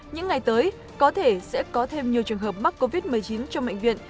những ngày tới có thể sẽ có thêm nhiều trường hợp mắc covid một mươi chín trong bệnh viện